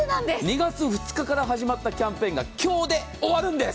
２月２日から始まったキャンペーンが今日で終わるんです。